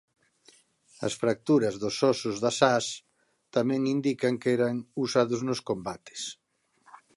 As fracturas dos ósos das ás tamén indican que eran usados nos combates.